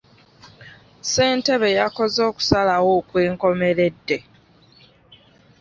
Ssentebe yakoze okusalawo okw'enkomeredde.